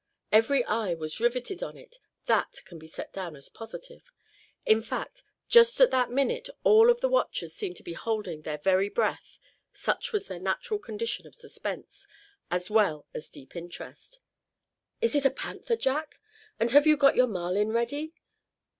Every eye was riveted on it, that can be set down as positive. In fact, just at that minute all of the watchers seemed to be holding their very breath, such was their natural condition of suspense, as well as deep interest. "Is it a panther, Jack; and have you got your Marlin ready?"